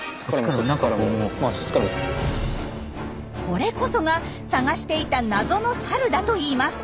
これこそが探していた謎のサルだといいます。